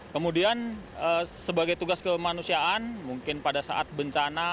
kemudian sebagai tugas kemanusiaan mungkin pada saat bencana